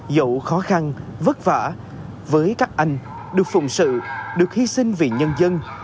dẫu khó khăn vất vả với các anh được phụng sự được hy sinh vì nhân dân